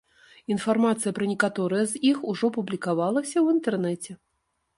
Інфармацыя пра некаторыя з іх ужо публікавалася ў інтэрнэце.